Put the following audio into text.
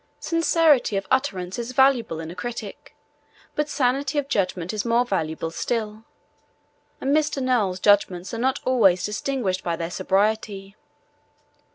Sincerity of utterance is valuable in a critic, but sanity of judgment is more valuable still, and Mr. Noel's judgments are not always distinguished by their sobriety.